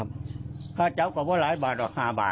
มันจะมีรางวัลไง